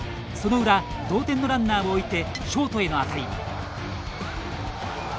その裏、同点のランナーを置いてショートへの当たり。